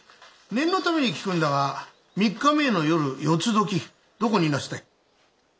念のために聞くんだが３日前の夜四ツ時どこにいなすった？